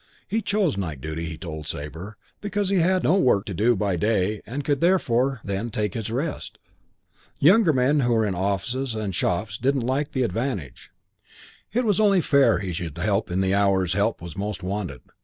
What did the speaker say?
He chose night duty, he told Sabre, because he had no work to do by day and could therefore then take his rest. Younger men who were in offices and shops hadn't the like advantage. It was only fair he should help in the hours help was most wanted.